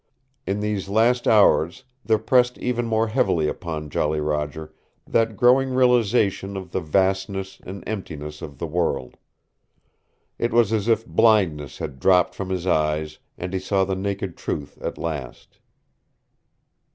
In these last hours there pressed even more heavily upon Jolly Roger that growing realization of the vastness and emptiness of the world. It was as if blindness had dropped from his eyes and he saw the naked truth at last.